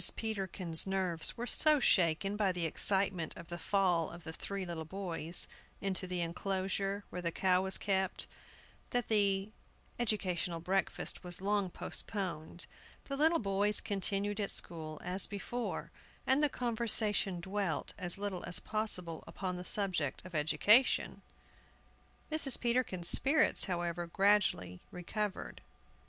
PETERKIN'S nerves were so shaken by the excitement of the fall of the three little boys into the enclosure where the cow was kept that the educational breakfast was long postponed. The little boys continued at school, as before, and the conversation dwelt as little as possible upon the subject of education. Mrs. Peterkin's spirits, however, gradually recovered.